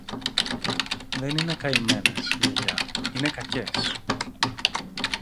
Δεν είναι καημένες, Γιαγιά, είναι κακές.